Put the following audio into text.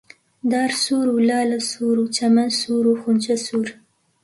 دار سوور و لالە سوور و چەمەن سوور و خونچە سوور